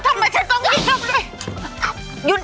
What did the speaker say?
ทำไมฉันต้องกินเธอมาด้วย